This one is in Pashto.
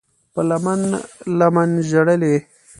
په لمن، لمن ژړلي